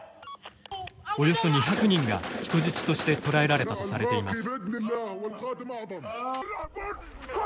およそ２００人が人質として捕らえられたとされています。